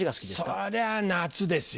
そりゃあ夏ですよ。